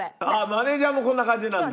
マネジャーもこんな感じなんだ。